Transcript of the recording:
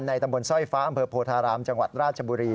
ตำบลสร้อยฟ้าอำเภอโพธารามจังหวัดราชบุรี